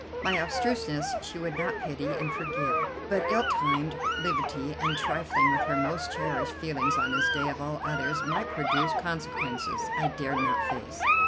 My obtuseness she would pity and forgive, but ill timed levity and trifling with her most cherished feelings on this day of all others might produce consequences I dared not face.